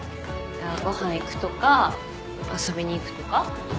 ご飯行くとか遊びに行くとか。